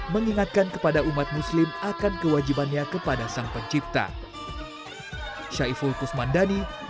mengingatkan kepada umat muslim akan kewajibannya kepada sang pencipta